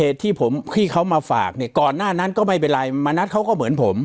ที่เขามาฝากก่อนหน้านั้นก็ไม่เป็นไรมานัดเขาก็เหมือนผม